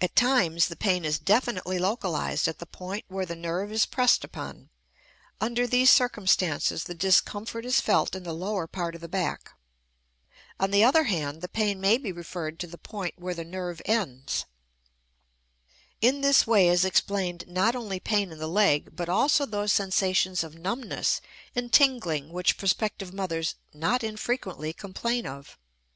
At times the pain is definitely localized at the point where the nerve is pressed upon; under these circumstances the discomfort is felt in the lower part of the back. On the other hand, the pain may be referred to the point where the nerve ends. In this way is explained not only pain in the leg but also those sensations of numbness and tingling which prospective mothers not infrequently complain of.